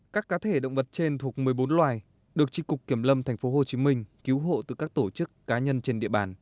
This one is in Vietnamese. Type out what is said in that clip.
các cá thể động vật trên thuộc một mươi bốn loài được tri cục kiểm lâm tp hcm cứu hộ từ các tổ chức cá nhân trên địa bàn